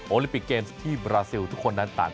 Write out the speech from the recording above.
ลิปิกเกมส์ที่บราซิลทุกคนนั้นต่าง